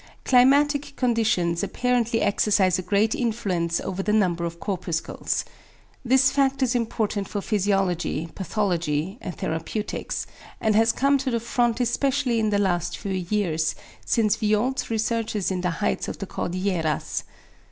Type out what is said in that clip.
=Climatic conditions= apparently exercise a great influence over the number of corpuscles. This fact is important for physiology, pathology, and therapeutics, and has come to the front especially in the last few years, since Viault's researches in the heights of the Corderillas.